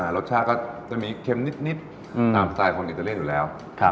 รสชาติก็จะมีเค็มนิดสามารถสร้างของอิตาเลอันอยู่แล้วครับ